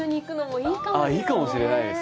いいかもしれないですね。